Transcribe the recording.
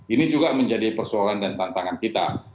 ini juga menjadi persoalan dan tantangan kita